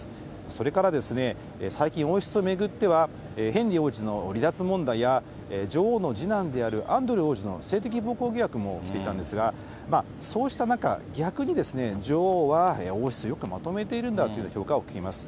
それから最近、王室を巡っては、ヘンリー王子の離脱問題や、女王の次男であるアンドルー王子の性的暴行疑惑も起きていたんですが、そうした中、逆に女王は王室をよくまとめているんだというような評価を聞きます。